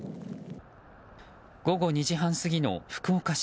午後２時半過ぎの福岡市。